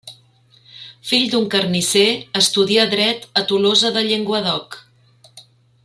Fill d'un carnisser, estudià dret a Tolosa de Llenguadoc.